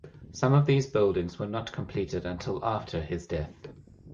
Some of these buildings were not completed until after his death.